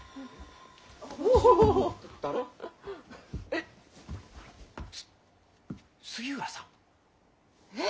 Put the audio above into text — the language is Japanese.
えっす杉浦さん？え！？